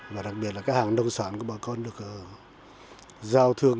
và đặc biệt là các hàng nông sản của bà con được giao thương